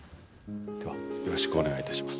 ではよろしくお願いいたします。